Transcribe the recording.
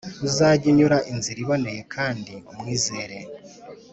uzajye unyura inzira iboneye kandi umwizere